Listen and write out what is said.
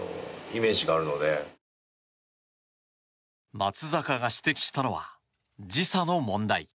松坂が指摘したのは時差の問題。